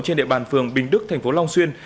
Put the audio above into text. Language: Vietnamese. trên địa bàn phường bình đức tp long xuyên